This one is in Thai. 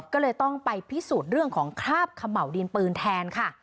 ก็เลยต้องไปพิสูจน์เรื่องของคราบเขม่าวดินปืนแทนค่ะ